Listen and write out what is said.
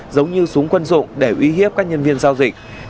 giống như súng quân dụng để uy hiếp các nhân viên giao dịch